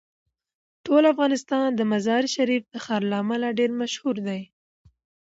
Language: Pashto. ټول افغانستان د مزارشریف د ښار له امله ډیر مشهور دی.